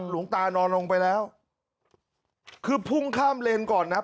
หลวงตานอนลงไปแล้วคือพุ่งข้ามเลนก่อนนะครับ